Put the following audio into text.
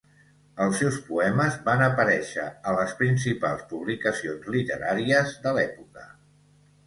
Els seus poemes van aparèixer a les principals publicacions literàries de l'època.